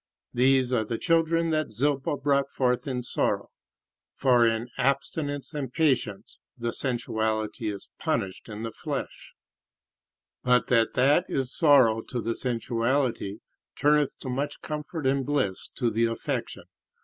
These are the children that Zilpah brought forth in sorrow; for in abstinence and patience the sensuality is punished in the flesh; but that that is sorrow to the sensuality turneth to much comfort and bliss to the affection.